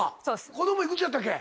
子供幾つやったっけ？